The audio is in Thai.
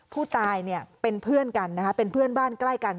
ผู้ตายเนี่ยเป็นเพื่อนกันนะคะเป็นเพื่อนบ้านใกล้กัน